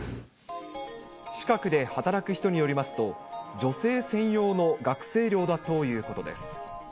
近くで働く人によりますと、女性専用の学生寮だということです。